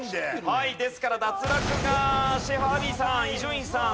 はいですから脱落がシェーファーアヴィさん伊集院さん